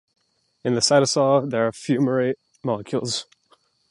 In the cytosol there are fumarate molecules.